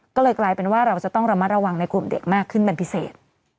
ก็เลยกลายเป็นว่าเราจะต้องระมัดระวังในกลุ่มเด็กมากขึ้นเป็นพิเศษ